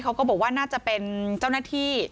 เขาก็บอกว่าน่าจะเป็นเจ้าหน้าที่